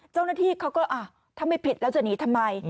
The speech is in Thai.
เจ้าหน้าที่เขาก็ถ้าไม่ผิดแล้วจะหนีทำไม